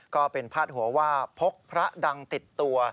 ก็เป็นพาดหัวว่าพกพระดังติดตัว